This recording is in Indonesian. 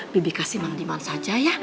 bibi kasih mang diman saja ya